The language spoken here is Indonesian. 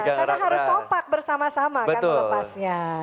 karena harus topak bersama sama kan lepasnya